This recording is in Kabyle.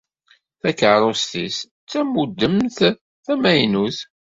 Takerrust-is d tamudemt tamaynut.